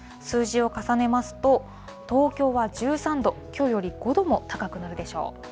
数字を重ねますと、東京は１３度、きょうより５度も高くなるでしょう。